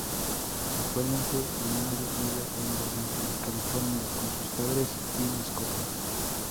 Actualmente, Landry vive en Los Ángeles, California con sus padres y mascota.